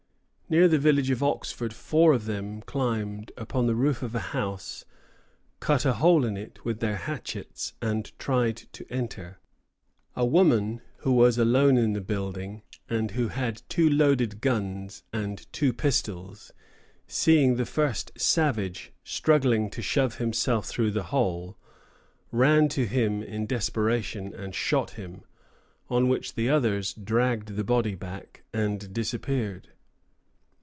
Near the village of Oxford four of them climbed upon the roof of a house, cut a hole in it with their hatchets, and tried to enter. A woman who was alone in the building, and who had two loaded guns and two pistols, seeing the first savage struggling to shove himself through the hole, ran to him in desperation and shot him; on which the others dragged the body back and disappeared.